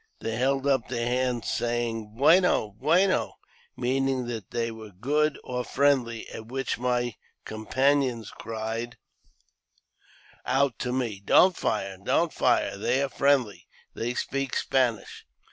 They held up their hands, saying, " Bueno ! bueno !" meaning that they were good or friendly ; at which my companions cried out to me, " Don't fire ! don't fire ! they are friendly — they speak Spanish."